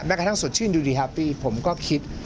กระทั่งสดชื่นดูดีแฮปปี้ผมก็คิด